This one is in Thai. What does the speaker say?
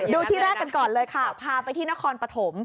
ที่แรกกันก่อนเลยค่ะพาไปที่นครปฐม